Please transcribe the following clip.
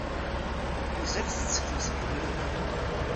Mazal tettekkem seg ubrid-nni?